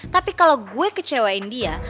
tapi kalau gue kecewain dia